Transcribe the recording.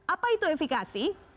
apa itu efekasi